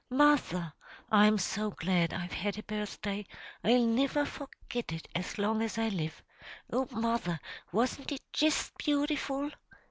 mother! I'm so glad I've had a birthday! I'll niver forget it as long as I live! Oh, mother, wasn't it jist beautiful?"